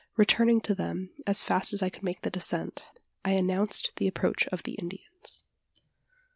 Returning to them, as fast as I could make the descent, I announced the approach of the Indians.